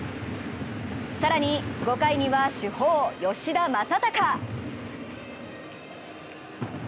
更に５回には主砲・吉田正尚。